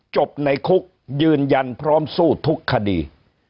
จบในคุกยืนยันพร้อมสู้ทุกคดี